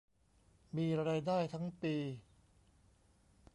มีรายได้ทั้งปี